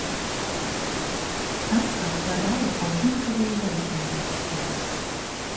Самка адкладае адзінкавыя яйкі на лісце.